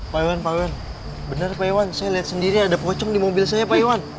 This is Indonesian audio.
pak iwan pak iwan benar pak iwan saya lihat sendiri ada pocong di mobil saya pak iwan